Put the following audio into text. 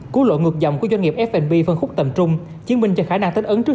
cứu lộ ngược dòng của doanh nghiệp f b phân khúc tầm trung chứng minh cho khả năng thích ứng trước